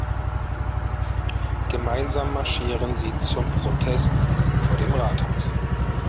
Gemeinsam marschieren sie zum Protest vor dem Rathaus.